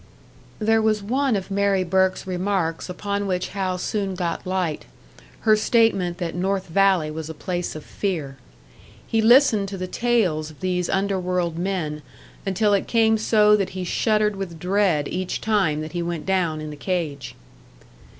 There was one of Mary Burke's remarks upon which Hal soon got light her statement that North Valley was a place of fear. He listened to the tales of these underworld men, until it came so that he shuddered with dread each time that he went down in the cage.